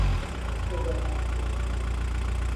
به بنبست رسیدن